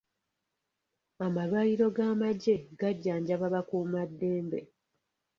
Amalwaliro g'amagye gajjanjaba bakuuma ddembe.